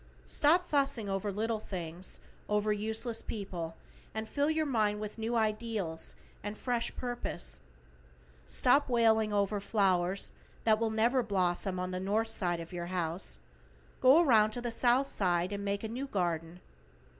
Stop fussing over little things, over useless people, and fill your mind with new ideals and fresh purpose. Stop wailing over flowers that will never blossom on the north side of your house; go around to the south side and make a new garden.